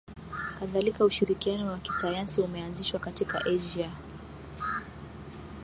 Kadhalika ushirikiano wa kisayansi umeanzishwa katika Asia